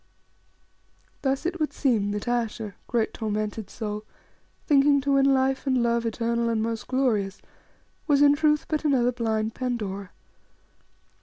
Thus it would seem that Ayesha, great tormented soul, thinking to win life and love eternal and most glorious, was in truth but another blind Pandora.